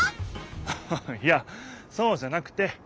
ハハハいやそうじゃなくて